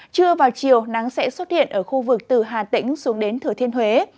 trưa vào chiều nắng sẽ xuất hiện ở khu vực từ hà tĩnh xuống đến thừa thiên huế